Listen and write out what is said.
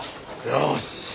よし。